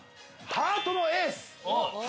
◆ハートのエース。